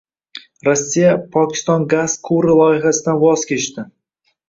Rossiya “Pokiston gaz quvuri” loyihasidan voz kechding